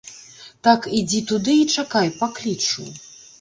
Так ідзі туды і чакай, паклічу.